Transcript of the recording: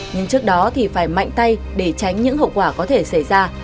nhưng trước đó thì phải mạnh tay để tránh những hậu quả có thể xảy ra